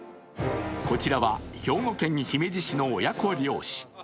こちらは兵庫県姫路市の親子漁師。